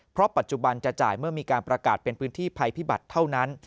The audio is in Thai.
เพราะปัจจุบันจะจ่ายเมื่อมีการประกาศเป็นพื้นที่ภัยพิบัติเท่านั้น